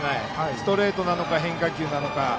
ストレートなのか変化球なのか。